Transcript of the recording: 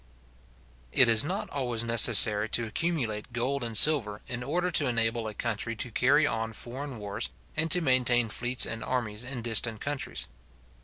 It is not always necessary to accumulate gold and silver, in order to enable a country to carry on foreign wars, and to maintain fleets and armies in distant countries.